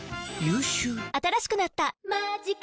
新しくなった「マジカ」